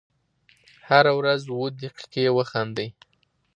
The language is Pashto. هره ورځ اووه دقیقې وخاندئ .